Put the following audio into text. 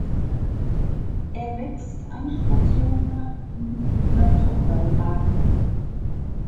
Er wächst anspruchsloser in Müller-Thurgau-Lagen.